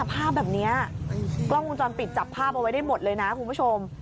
ภาพแบบนี้กล้องวงจรปิดจับภาพเอาไว้ได้หมดเลยนะคุณผู้ชม